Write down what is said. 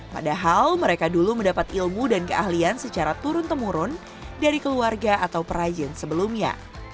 padahal mereka dulu mendapat ilmu dan keahlian secara turun temurun dari keluarga atau perajin sebelumnya